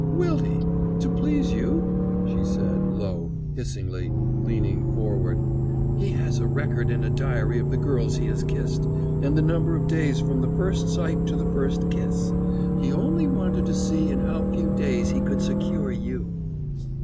"Will he? to please you?" she said low, hissingly, leaning forward. "He has a record in a diary of the girls he has kissed, and the number of days from the first sight to the first kiss. He only wanted to see in how few days he could secure you."